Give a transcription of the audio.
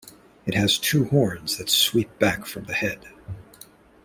It has two horns that sweep back from the head.